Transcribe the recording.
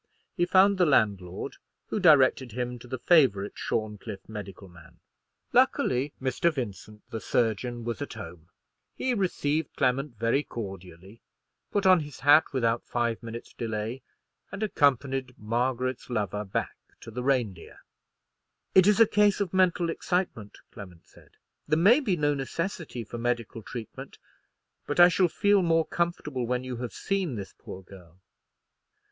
He found the landlord, who directed him to the favourite Shorncliffe medical man. Luckily, Mr. Vincent, the surgeon, was at home. He received Clement very cordially, put on his hat without five minutes delay, and accompanied Margaret's lover back to the Reindeer. "It is a case of mental excitement," Clement said. "There may be no necessity for medical treatment; but I shall feel more comfortable when you have seen this poor girl."